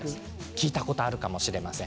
聞いたことがあるかもしれません。